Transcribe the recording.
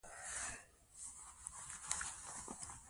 د ژوندون شېبې دي الوزي له لاسه